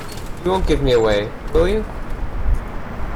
You won't give me away, will you?